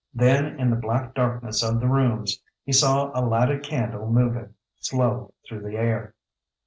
Then in the black darkness of the rooms he saw a lighted candle moving, slow through the air.